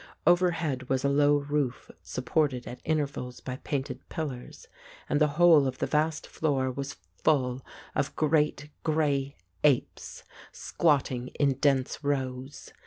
Overhead was a low roof supported at intervals by painted pillars, and the whole of the vast floor was full of great grey apes, squatting in dense rows.